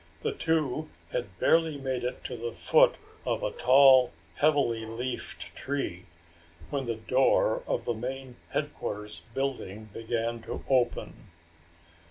The two had barely made it to the foot of a tall heavily leafed tree when the door of the main headquarters building began to open.